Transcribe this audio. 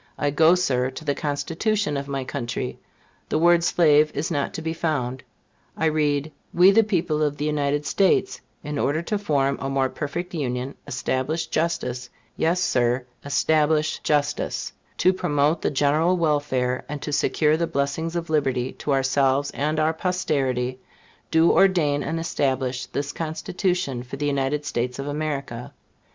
I go, Sir, to the Constitution of my country: the word slave is not to be found. I read, "We, the people of the United States, in order to form a more perfect Union, establish justice," yes, Sir, establish justice "to promote the general welfare, and to secure the blessings of liberty to ourselves and our posterity, do ordain and establish this Constitution for the United States of America."